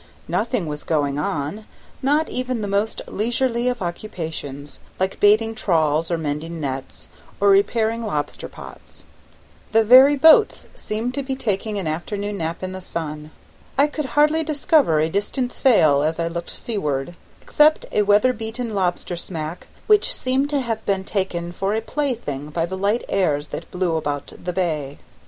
Nothing was going on, not even the most leisurely of occupations, like baiting trawls or mending nets, or repairing lobster pots; the very boats seemed to be taking an afternoon nap in the sun. I could hardly discover a distant sail as I looked seaward, except a weather beaten lobster smack, which seemed to have been taken for a plaything by the light airs that blew about the bay.